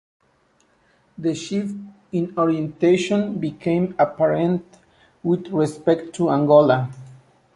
The shift in orientation became apparent with respect to Angola.